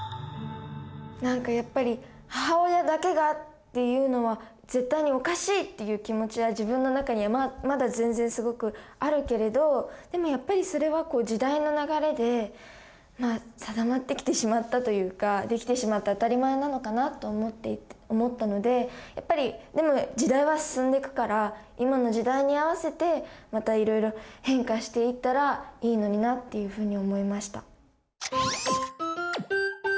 何かやっぱりっていう気持ちは自分の中にはまだ全然すごくあるけれどでもやっぱりそれは時代の流れで定まってきてしまったというか出来てしまって当たり前なのかなって思ったのでやっぱりでも時代は進んでいくから今の時代に合わせてまたいろいろ変化していったらいいのになっていうふうに思いました。